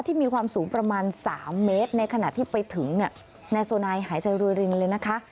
มีความสูงประมาณ๓เมตรในขณะที่ไปถึงเนี่ยนายโซนายหายใจรวยรินเลยนะคะ